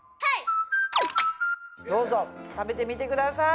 どうぞ食べてみてください。